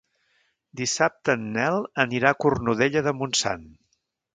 Dissabte en Nel anirà a Cornudella de Montsant.